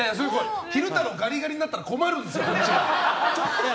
昼太郎ガリガリになったら困るんですよ。